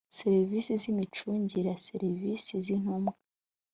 serivisi z imicungire ya serivisi z intumwa